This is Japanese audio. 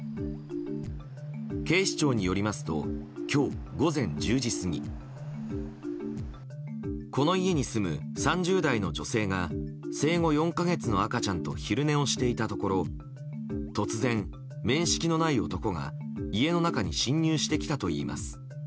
警視庁によりますと今日午前１０時過ぎこの家に住む３０代の女性が０歳の赤ちゃんと昼寝をしていたところ突然、面識のない男が家の中に侵入してきたといいます。